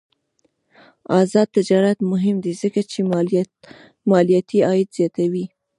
آزاد تجارت مهم دی ځکه چې مالیاتي عاید زیاتوي.